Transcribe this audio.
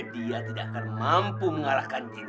dia tidak akan mampu mengalahkan kita